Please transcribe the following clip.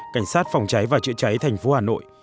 cảnh sát phòng cháy và chữa cháy tp hcm